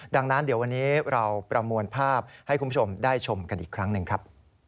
ดังนั้นเดี๋ยววันนี้เราประมวลภาพให้คุณผู้ชมได้ชมกันอีกครั้งหนึ่งครับ